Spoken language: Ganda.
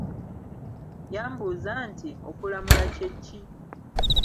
Yabuuza nti, okulamula kye ki?